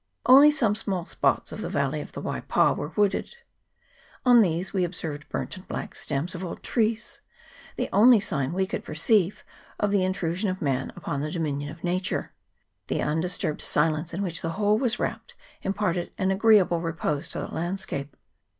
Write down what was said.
Only some small spots of the valley of the Waipa were wooded. On these we observed burnt and bleak stems of old trees, the only sign we could perceive of the intru sion of man upon the dominion of Nature, The undisturbed silence in which the whole was wrapped imparted an agreeable repose to the landscape.